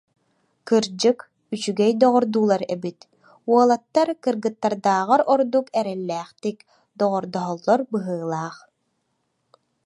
Кырдьык, үчүгэй доҕордуулар эбит, уолаттар кыргыттардааҕар ордук эрэллээхтик доҕордоһоллор быһыылаах